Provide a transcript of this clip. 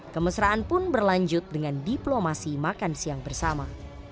kemesraan pun berlanjut dengan diplomasi makan siang bersama